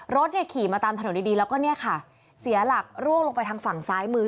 รถขี่มาตามถนนดีแล้วก็เสียหลักร่วงลงไปทางฝั่งซ้ายมือ